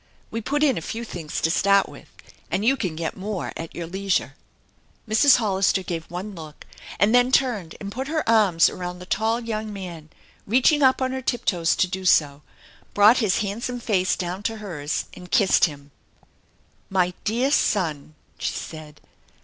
We put in a few things to start with, and you can get more at your leisure." Mrs. Hollister gave one look, and then turned and put her arms around the tall young man, reaching up on her tip toes to do so, brought his handsome face down to hers, and kissed him. " My dear son !" she said.